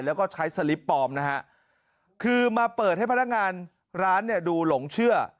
แล้วก็ใช้สลิปปลอมนะฮะคือมาเปิดให้พนักงานร้านเนี่ยดูหลงเชื่อ